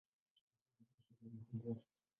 Msingi wa biashara ni bandari.